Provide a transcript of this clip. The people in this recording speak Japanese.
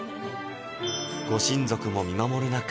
ご親族も見守る中